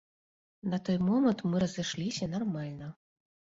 На той момант мы разышліся нармальна.